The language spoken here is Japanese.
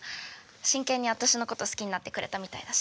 真剣に私のこと好きになってくれたみたいだし。